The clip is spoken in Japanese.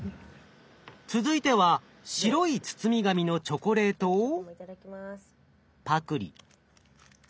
続いては白い包み紙のチョコレートをパクリ。